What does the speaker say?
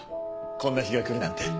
こんな日が来るなんて。